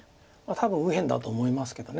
多分右辺だと思いますけど。